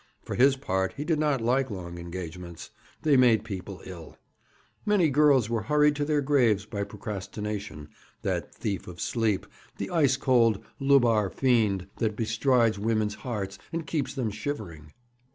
For his part, he did not like long engagements: they made people ill. Many girls were hurried to their graves by procrastination that thief of sleep, the ice cold 'lubbar fiend' that bestrides women's hearts and keeps them shivering.